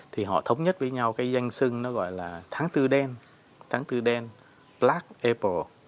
thì họ thống nhất với nhau cái danh sưng nó gọi là tháng tư đen tháng tư đen plat apple